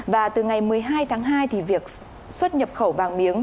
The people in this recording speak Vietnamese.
và từ ngày một mươi hai tháng hai thì việc xuất nhập khẩu vàng miếng